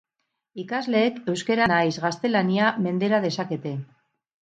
Ikasleek euskara nahiz gaztelania mendera dezakete.